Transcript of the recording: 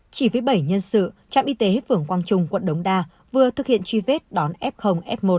chỉ với bảy nhân sự trạm y tế phường quang trung quận đống đa vừa thực hiện truy vết đón f f một